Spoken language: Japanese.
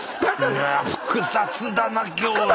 いや複雑だな今日は。